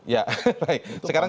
ya baik sekarang